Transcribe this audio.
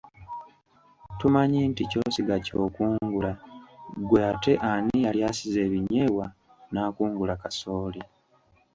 Tumanyi nti ky'osiga ky'okungula ggwe ate ani yali asize ebinyeebwa n’akungula kasooli?